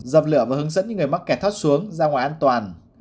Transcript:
dập lửa và hướng dẫn những người mắc kẹt thoát xuống ra ngoài an toàn